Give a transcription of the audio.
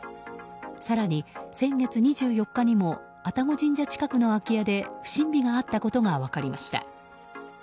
更に、先月２４日にも愛宕神社近くの空き家で不審火があったことが分かりました。